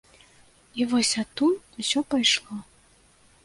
І вось адтуль усё пайшло.